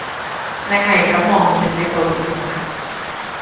你係噉望住你部電話